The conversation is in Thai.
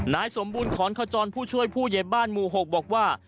นายสมบูรณขอนขจรผู้ช่วยผู้ใหญ่บ้านหมู่๖บอกว่า